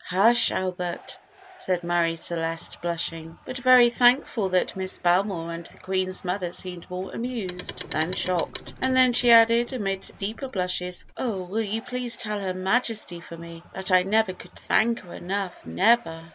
"Hush, Albert," said Marie Celeste, blushing, but very thankful that Miss Belmore and the Queen's mother seemed more amused than shocked; and then she added, amid deeper blushes, "Oh, will you please tell Her Majesty for me that I never could thank her enough, never?"